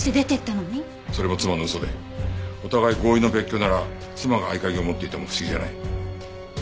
それも妻の嘘でお互い合意の別居なら妻が合鍵を持っていても不思議じゃない。